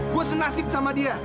gue senasib sama dia